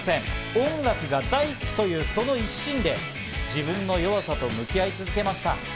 音楽が大好きというその一心で、自分の弱さと向き合い続けました。